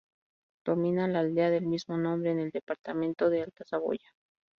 Domina la aldea del mismo nombre, en el departamento de Alta Saboya.